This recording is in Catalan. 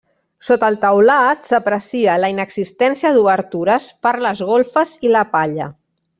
Sota el teulat s'aprecia la inexistència d'obertures per les golfes i la palla.